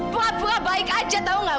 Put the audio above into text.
pura pura baik aja tahu nggak